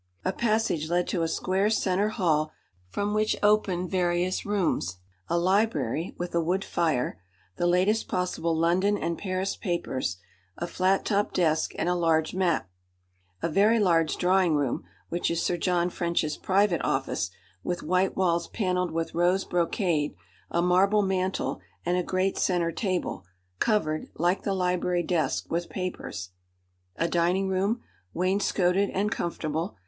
A passage led to a square centre hall from which opened various rooms a library, with a wood fire, the latest possible London and Paris papers, a flat topped desk and a large map; a very large drawing room, which is Sir John French's private office, with white walls panelled with rose brocade, a marble mantel, and a great centre table, covered, like the library desk, with papers; a dining room, wainscoted and comfortable.